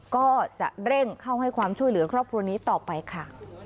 ก็จะเร่งเข้าให้ความช่วยเหลือครอบครัวนี้ต่อไปค่ะ